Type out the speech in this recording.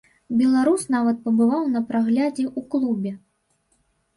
Беларус нават пабываў на праглядзе ў клубе.